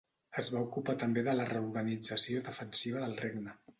Es va ocupar també de la reorganització defensiva del regne.